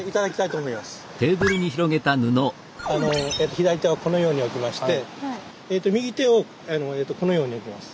左手をこのように置きまして右手をこのように置きます。